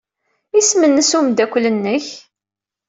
Isem-nnes umeddakel-nnek?